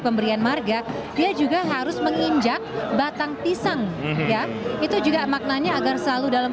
pemberian marga dia juga harus menginjak batang pisang ya itu juga maknanya agar selalu dalam